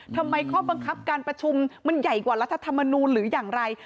ข้อบังคับการประชุมมันใหญ่กว่ารัฐธรรมนูลหรืออย่างไร